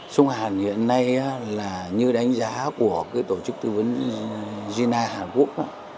sông hàn hiện nay là như đánh giá của tổ chức tư vấn gina hàn quốc